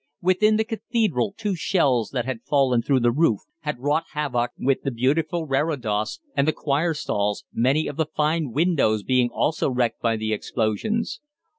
Within the Cathedral two shells that had fallen through the roof had wrought havoc with the beautiful reredos and the choir stalls, many of the fine windows being also wrecked by the explosions.